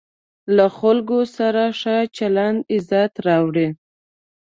له خلکو سره ښه چلند عزت راوړي.